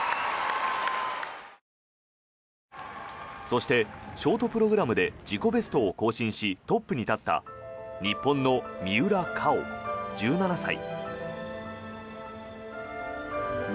そしてショートプログラムで自己ベストを更新しトップに立った日本の三浦佳生、１７歳。